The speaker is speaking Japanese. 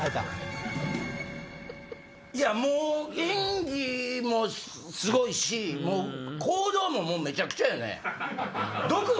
もう演技もすごいし行動もめちゃくちゃやね。